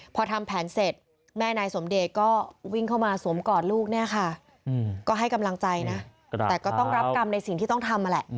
พอทำแผนเสร็จแม่นายสมเดชก็วิ่งเข้ามาสวมกอดลูกเนี่ยค่ะก็ให้กำลังใจนะแต่ก็ต้องรับกรรมในสิ่งที่ต้องทำนั่นแหละ